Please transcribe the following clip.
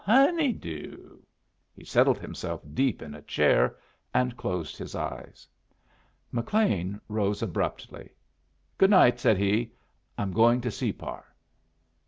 Honey doo." He settled himself deep in a chair, and closed his eyes. McLean rose abruptly. "Good night," said he. "I'm going to Separ."